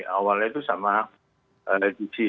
awalnya itu sama gc